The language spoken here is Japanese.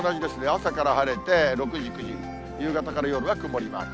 朝から晴れて、６時、９時、夕方から夜は曇りマーク。